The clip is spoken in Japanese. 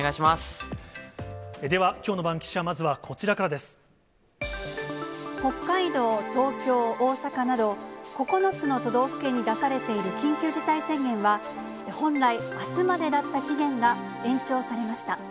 では、きょうのバンキシャこ北海道、東京、大阪など、９つの都道府県に出されている緊急事態宣言は、本来、あすまでだった期限が延長されました。